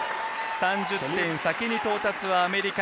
３０点、先に到達はアメリカ。